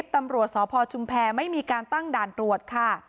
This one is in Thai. ตำรวจสพชุมแพรไม่มีการตั้งด่านตรวจค่ะ